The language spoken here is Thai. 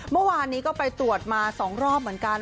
เมื่อวานนี้ก็ไปตรวจมา๒รอบเหมือนกัน